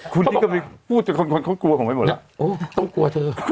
คุณนี่ก็ไปพูดจนคนเขากลัวผมไปหมดแล้วโอ้ต้องกลัวเธอ